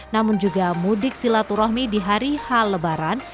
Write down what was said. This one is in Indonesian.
namun juga mudik silaturahmi di hari hal lebaran